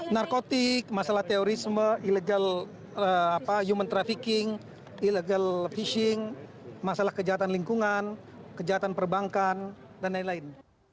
narkotik masalah teorisme human trafficking illegal fishing masalah kejahatan lingkungan kejahatan perbankan dan lain lain